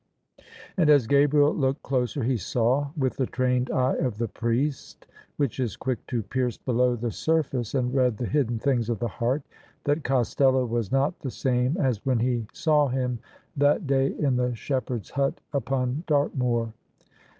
And as Gabriel looked closer he saw — ^with the trained eye of the priest, which is quick to pierce below the surface and read the hidden things of the heart — that Costello was not the same as when he saw him that day in the shepherd's hut upon Dartmoor.